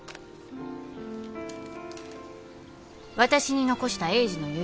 私に残した栄治の遺言。